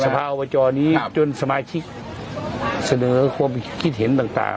ภาวจนี้จนสมาชิกเสนอความคิดเห็นต่าง